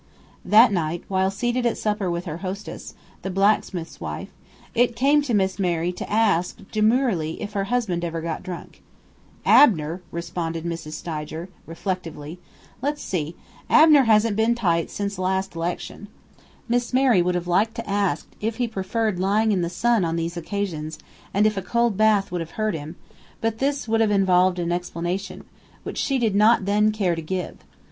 That night, while seated at supper with her hostess, the blacksmith's wife, it came to Miss Mary to ask, demurely, if her husband ever got drunk. "Abner," responded Mrs. Stidger, reflectively, "let's see: Abner hasn't been tight since last 'lection." Miss Mary would have liked to ask if he preferred lying in the sun on these occasions, and if a cold bath would have hurt him; but this would have involved an explanation, which she did not then care to give.